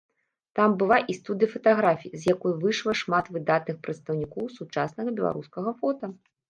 Там была і студыя фатаграфіі, з якой выйшла шмат выдатных прадстаўнікоў сучаснага беларускага фота.